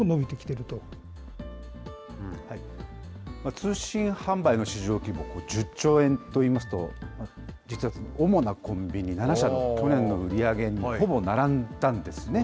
通信販売の市場規模、１０兆円といいますと、実は主なコンビニ７社の去年の売り上げにほぼ並んだんですね。